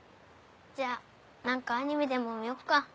じゃ何かアニメでも見よっか。